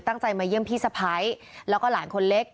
ตั้งใจมาเยี่ยมพี่สะพ้ายแล้วก็หลานคนเล็ก